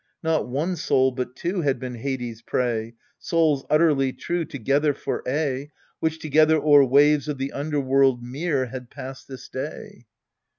Not one soul, but two Had been Hades' prey, Souls utterly true Together for aye, Which together o'er waves of the underworld mere had passed this day.